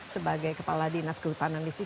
sebagai kepala dinas kehutanan di sini